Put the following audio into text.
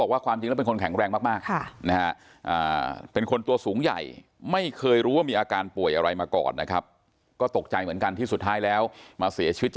เราก็จะต้องเอาสิ่งที่คุณพ่อบอกมาปรับใช้ในชีวิต